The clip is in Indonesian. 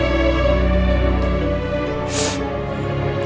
kamu mau ke pos